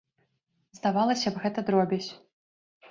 Здавалася б, гэта дробязь.